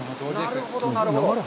なるほど、なるほど。